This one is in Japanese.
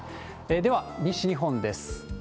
では、西日本です。